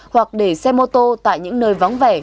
hoặc để xe mô tô tại những nơi vắng vẻ